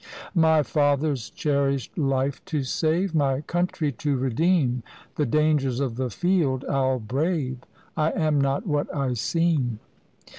"My father's cherished life to save, My country to redeem, The dangers of the field I'll brave: I am not what I seem.